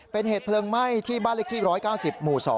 เป็นเหตุเพลิงไหม้ที่บ้านเล็กที่๑๙๐หมู่๒